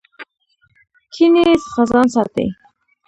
کینې څخه ځان ساتئ